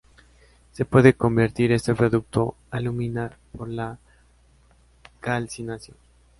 Se puede convertir este producto a alúmina por la calcinación.